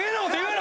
な